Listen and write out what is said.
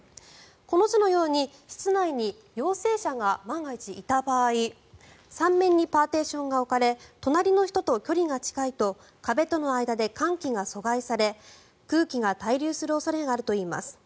この図のように室内に陽性者が万が一、いた場合３面にパーティションが置かれ隣の人と距離が近いと壁との間で換気が阻害され空気が滞留する恐れがあるといいます。